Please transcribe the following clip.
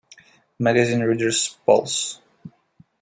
Magazine reader's polls.